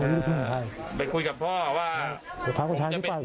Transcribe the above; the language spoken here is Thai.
ไปคุยกับพ่อว่าผมจะเป็นผู้ช่วยสอพักประชาธิปัตย์